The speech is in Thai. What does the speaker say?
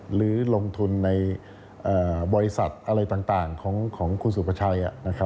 หรือลงทุนในบริษัทอะไรต่างของคุณสุภาชัย